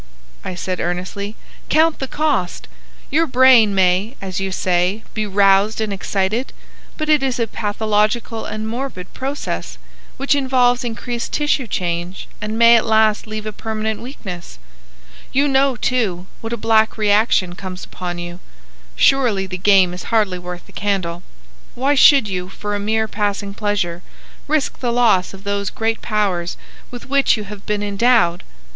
I said, earnestly. "Count the cost! Your brain may, as you say, be roused and excited, but it is a pathological and morbid process, which involves increased tissue change and may at last leave a permanent weakness. You know, too, what a black reaction comes upon you. Surely the game is hardly worth the candle. Why should you, for a mere passing pleasure, risk the loss of those great powers with which you have been endowed?